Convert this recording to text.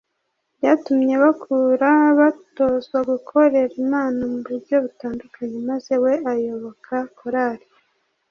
byatumye bakura batozwa gukorera Imana mu buryo butandukanye maze we ayoboka korali